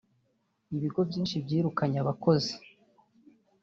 Ibigo byinshi byirukanye abakozi